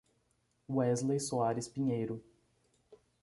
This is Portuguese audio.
Wesley Soares Pinheiro